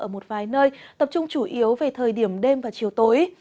ở một vài nơi tập trung chủ yếu về thời điểm đêm và chiều tối